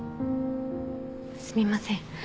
すみません